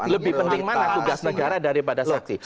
lebih penting mana tugas negara daripada saksi